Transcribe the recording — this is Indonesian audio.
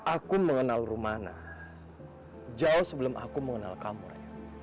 aku mengenal romana jauh sebelum aku mengenal kamu re